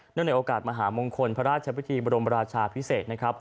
ในโอกาสมหามงคลพระราชพิธีบรมราชาพิเศษนะครับ